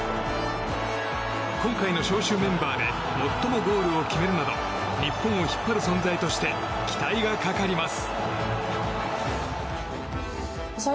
今回の招集メンバーで最もゴールを決めるなど日本を引っ張る存在として期待がかかります。